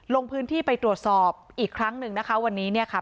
ลงพื้นที่ไปตรวจสอบอีกครั้งหนึ่งนะคะวันนี้เนี่ยค่ะ